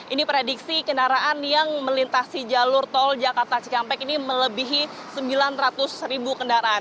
ini prediksi kendaraan yang melintasi jalur tol jakarta cikampek ini melebihi sembilan ratus ribu kendaraan